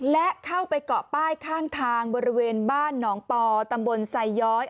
และเข้าไปเกาะป้ายข้างทางบริเวณบ้านหนองปอตำบลไซย้อย